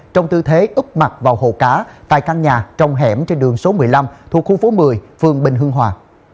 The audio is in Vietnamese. trong tư thế ức mặt vào hồ cá tại căn nhà trong hẻm trên đường số một mươi năm thuộc khu phố một mươi phường bình hương hòa